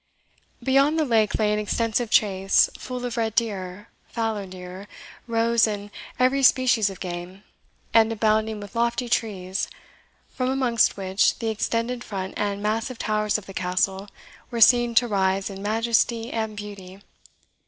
Beyond the lake lay an extensive chase, full of red deer, fallow deer, roes, and every species of game, and abounding with lofty trees, from amongst which the extended front and massive towers of the Castle were seen to rise in majesty and beauty.